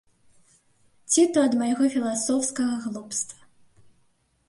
Ці то ад майго філасофскага глупства.